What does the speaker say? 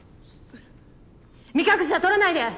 目隠しは取らないで！